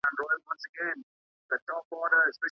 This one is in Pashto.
په لاس لیکل د خلګو د ویښولو لپاره کارول کیدلای سي.